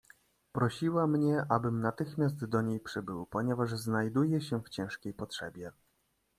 "Prosiła mnie, abym natychmiast do niej przybył, ponieważ znajduje się w ciężkiej potrzebie."